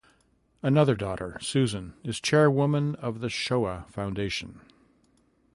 Another daughter, Susan, is chairwoman of the Shoah Foundation.